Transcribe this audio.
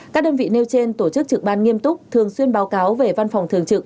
các đơn vị nêu trên tổ chức trực ban nghiêm túc thường xuyên báo cáo về văn phòng thường trực